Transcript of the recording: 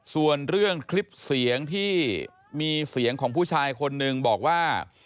ส่วนเรื่องคลิปเสียงที่มีเสียงของผู้ชายคนนึงบอกว่า